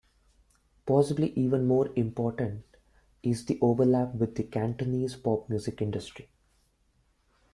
Possibly even more important is the overlap with the Cantonese pop music industry.